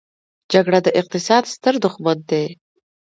جګړه د اقتصاد ستر دښمن دی.